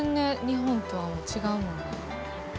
日本とは違うもんね。